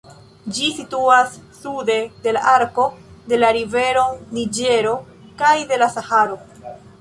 Ĝi situas sude de la arko de la rivero Niĝero kaj de la Saharo.